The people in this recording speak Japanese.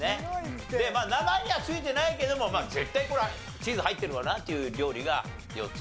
名前には付いてないけども絶対これはチーズ入ってるわなっていう料理が４つ。